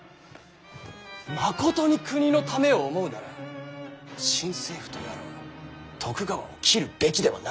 まことに国のためを思うなら新政府とやらは徳川を切るべきではなかった。